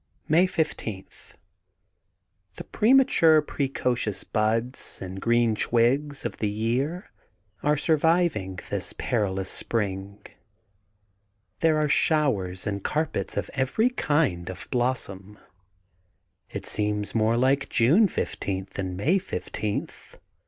'* May 15: — ^The premature, precocious buds and green twigs of the year are surviving this perilous spring. There are showers and car pets of every kind of blossom. It seems more like June fifteenth than May fifteenth.